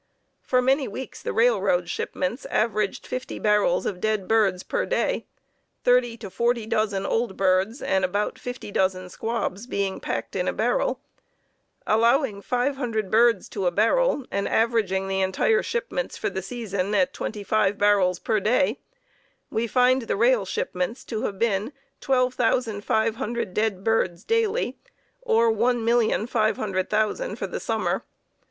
For many weeks the railroad shipments averaged fifty barrels of dead birds per day thirty to forty dozen old birds and about fifty dozen squabs being packed in a barrel. Allowing 500 birds to a barrel, and averaging the entire shipments for the season at twenty five barrels per day, we find the rail shipments to have been 12,500 dead birds daily, or 1,500,000 for the summer.